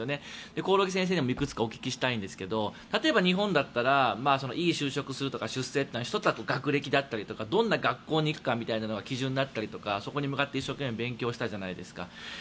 興梠先生にいくつかお聞きしたいんですが例えば、日本だったらいい就職するとか出世などは１つ、学歴だったりどんな学校に行くかというのが基準になったりとかそこに向かって一生懸命勉強したじゃないですか。